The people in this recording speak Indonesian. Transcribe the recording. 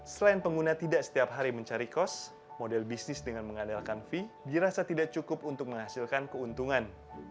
selain pengguna tidak setiap hari mencari kos model bisnis dengan mengandalkan fee dirasa tidak cukup untuk menghasilkan keuntungan